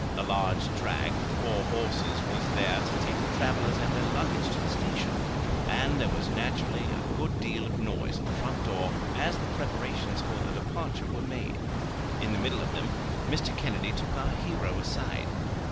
A large drag with four horses was there to take the travellers and their luggage to the station, and there was naturally a good deal of noise at the front door as the preparations for the departure were made. In the middle of them Mr. Kennedy took our hero aside.